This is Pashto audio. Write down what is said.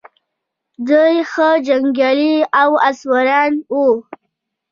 دوی ښه جنګیالي او آس سواران وو